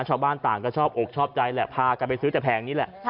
ชาวบ้านต่างก็ชอบอกชอบใจแหละพากันไปซื้อแต่แผงนี้แหละ